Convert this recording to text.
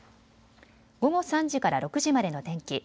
午後３時から６時までの天気。